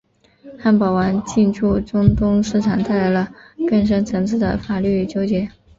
汉堡王进驻中东市场带来了更深层次的法律纠纷。